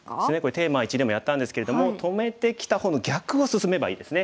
テーマ１でもやったんですけれども止めてきた方の逆を進めばいいですね。